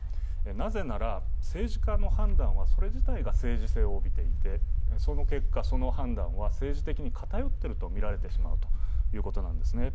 なぜなら政治家の判断は、それ自体が政治性を帯びていて、その結果、その判断は政治的に偏っているとみられてまうということなんですね。